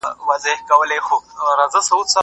که جایزه وي نو سیالي نه مري.